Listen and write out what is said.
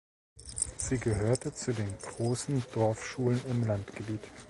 Sie gehörte zu den großen Dorfschulen im Landgebiet.